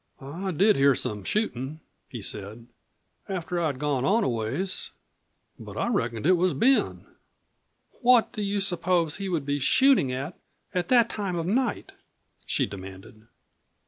"I did hear some shootin'," he said, "after I'd gone on a ways. But I reckoned it was Ben." "What do you suppose he would be shooting at at that time of the night?" she demanded.